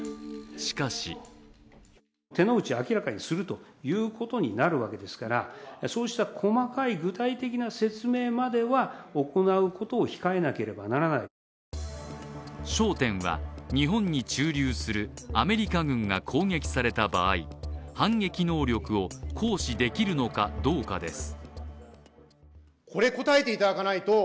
しかし焦点は日本に駐留するアメリカ軍が攻撃された場合、反撃能力を行使できるのかどうかです。